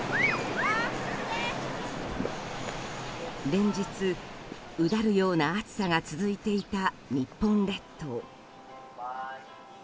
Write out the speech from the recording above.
連日、うだるような暑さが続いていた日本列島。